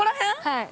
はい。